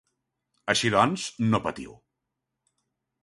Així doncs, no patiu.